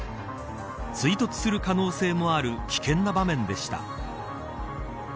追突する可能性もある危険な場面でした。